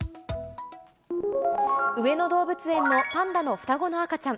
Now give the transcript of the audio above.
上野動物園のパンダの双子の赤ちゃん。